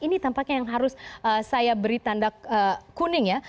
ini tampaknya yang harus saya beri tanda kuning ya